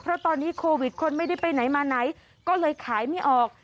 เพราะตอนนี้โควิดคนไม่ได้ไปไหนมาไหนก็เลยขายไม่ออก